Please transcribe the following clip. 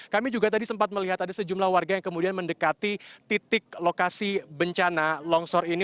kami juga tadi sempat melihat ada sejumlah warga yang kemudian mendekati titik lokasi bencana longsor ini